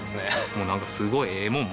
もうなんかすごいええもん